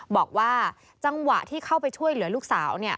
บอกว่าจังหวะที่เข้าไปช่วยเหลือลูกสาว